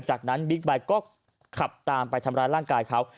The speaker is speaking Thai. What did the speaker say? จากนั้นบิ๊กไบท์ก็ขับตามไปทำร้ายร่างกายเขา